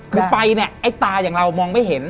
คือไปเนี่ยไอ้ตาอย่างเรามองไม่เห็น